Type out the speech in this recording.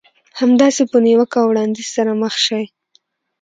همداسې په نيوکه او وړانديز سره مخ شئ.